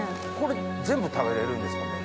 これ全部食べれるんですか？